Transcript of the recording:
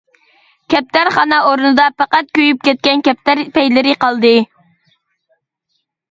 كەپتەرخانا ئورنىدا پەقەت كۆيۈپ كەتكەن كەپتەر پەيلىرى قالدى.